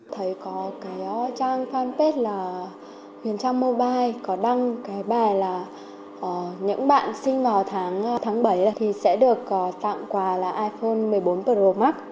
thầy có cái trang fanpage là huyền trang mobile có đăng cái bài là những bạn sinh vào tháng bảy thì sẽ được tặng quà là iphone một mươi bốn pro max